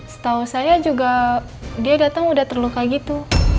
setahu saya juga dia datang udah terluka gitu